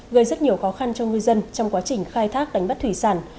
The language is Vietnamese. gây rất nhiều khó khăn cho ngư dân trong quá trình khai thác đánh bắt thủy sản